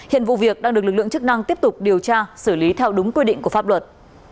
hiện vụ việc đang được lực lượng chức năng tiếp tục điều tra xử lý theo đúng quy định của pháp luật